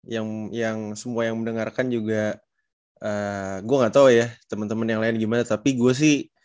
yang yang semua yang mendengarkan juga gue gak tau ya teman teman yang lain gimana tapi gue sih